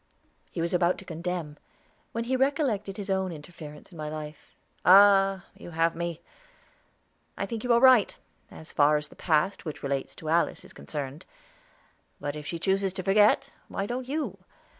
He was about to condemn, when he recollected his own interference in my life. "Ah! you have me. I think you are right, as far as the past which relates to Alice is concerned. But if she chooses to forget, why don't you?